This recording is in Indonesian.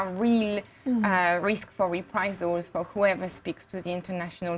untuk orang orang yang berbicara di komunitas internasional